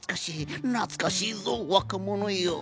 懐かしいぞ若者よ。